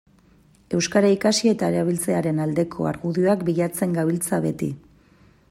Euskara ikasi eta erabiltzearen aldeko argudioak bilatzen gabiltza beti.